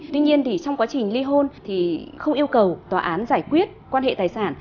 tuy nhiên trong quá trình ly hôn thì không yêu cầu tòa án giải quyết quan hệ tài sản